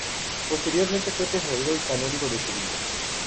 Posteriormente fue tesorero y canónigo de Sevilla.